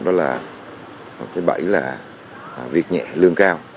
đó là việc nhẹ lương cao